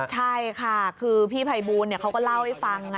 ใช่ค่ะคือพี่ภัยบูลเขาก็เล่าให้ฟัง